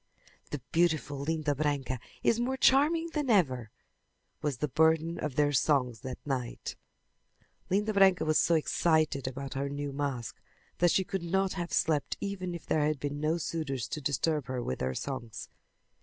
"The beautiful Linda Branca is more charming than ever," was the burden of their songs that night. Linda Branca was so excited about her new mask that she could not have slept even if there had been no suitors to disturb her with their songs.